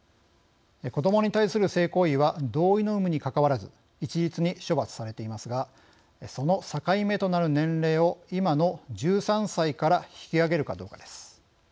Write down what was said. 子どもに対する性行為は同意の有無にかかわらず一律に処罰されていますがその境目となる年齢を今の１３歳から引き上げるかどうかです。